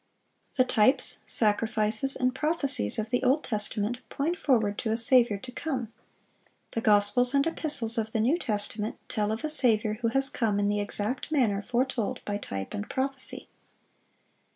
The types, sacrifices, and prophecies of the Old Testament point forward to a Saviour to come. The Gospels and Epistles of the New Testament tell of a Saviour who has come in the exact manner foretold by type and prophecy.